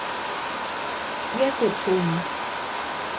เบี้ยกุดชุม